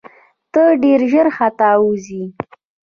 ته ډېر ژر ختاوزې !